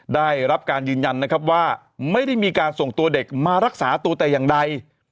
ได้รับการยืนยันนะครับว่าไม่ได้มีการส่งตัวเด็กมารักษาตัวแต่อย่างใด